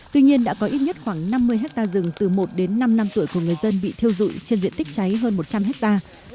tuy nhiên đã có ít nhất khoảng năm mươi hectare rừng từ một đến năm năm tuổi của người dân bị thiêu dụi trên diện tích cháy hơn một trăm linh hectare